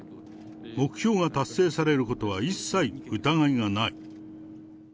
目標が達成されることは一切疑いがない。